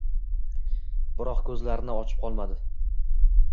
Biroq ko‘zlarini olib qochmadi.